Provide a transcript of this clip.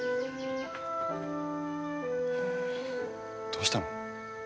どうしたの？